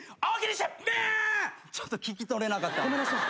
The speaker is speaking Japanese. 「ちょっと聞き取れなかった」